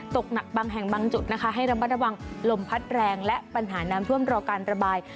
ตกหนักบางแห่งบางจุดนะคะให้ระมัดระวังลมพัดแรงและปัญหาน้ำท่วมรอการระบาย